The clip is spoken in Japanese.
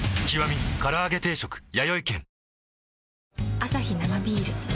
アサヒ生ビール